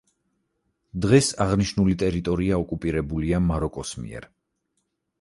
დღეს აღნიშნული ტერიტორია ოკუპირებულია მაროკოს მიერ.